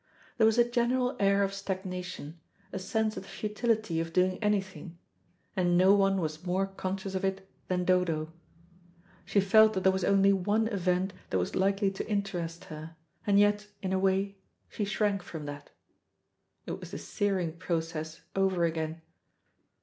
There was a general air of stagnation, a sense of the futility of doing anything, and no one was more conscious of it than Dodo. She felt that there was only one event that was likely to interest her, and yet, in a way, she shrank from that. It was the searing process over again.